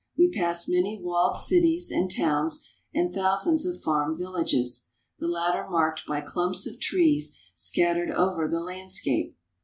We pass many walled cities and towns and thousands of farm villages, the latter marked by clumps of trees scattered over the landscape.